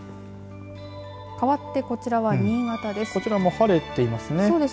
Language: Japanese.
かわって、こちらは新潟です。